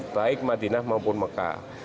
baik madinah maupun mekah